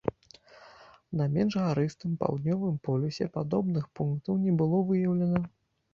На менш гарыстым паўднёвым полюсе падобных пунктаў не было выяўлена.